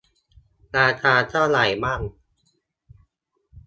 ราคาเท่าไรบ้าง